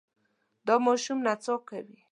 دا ماشوم نڅا کوي.